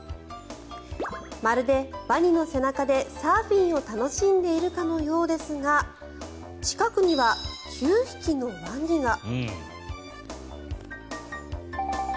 まるでワニの背中でサーフィンを楽しんでいるかのようですが近くには９匹のワニが。